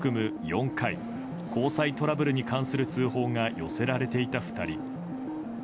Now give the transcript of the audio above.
４回交際トラブルに関する通報が寄せられていた２人。